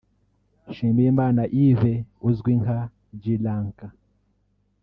Nshimiyimana Yves uzwi nka G-Rank